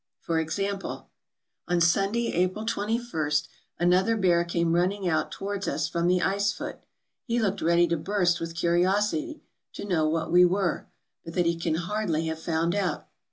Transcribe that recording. For example: " On Sunday, April 21, another bear came running out towards us from the ice foot. He looked ready to burst with curiosity to know what we were, but that he can hardly have found out.